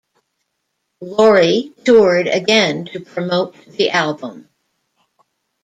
Lorie toured again to promote the album.